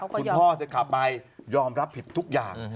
คุณพ่อจะกลับไปยอมรับผิดทุกอย่าง